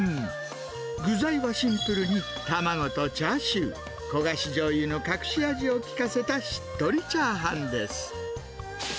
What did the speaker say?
具材はシンプルに、卵とチャーシュー、焦がしじょうゆの隠し味を効かせたしっとりチャーハンです。